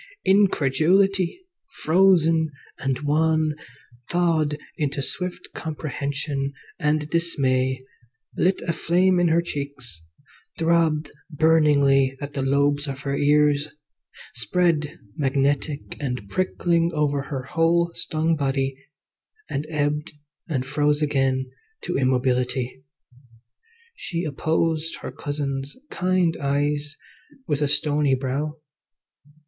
Incredulity, frozen and wan, thawed into swift comprehension and dismay, lit a flame in her cheeks, throbbed burningly at the lobes of her ears, spread magnetic and prickling over her whole stung body, and ebbed and froze again to immobility. She opposed her cousin's kind eyes with a stony brow.